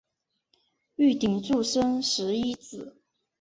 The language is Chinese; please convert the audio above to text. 玉鼎柱生十一子。